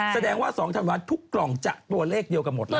แสดงว่า๒ธันวาลทุกกล่องจะตัวเลขเดียวกันหมดเลย